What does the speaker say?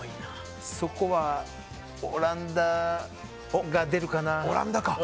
そこはオランダが出るかな。